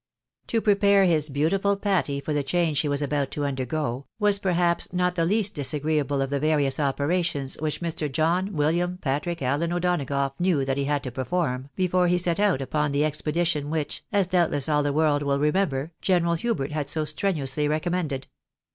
To prepare his beautiful Patty for the change she was about to undergo, was perhaps not the least disagreeable of the various operations which Mr. John William Patrick AUen O'Donagough Imew that he had to perform before he set out upon the expedition which (as doubtless all the world wQl remember) General Hubert had so strenuously recommended.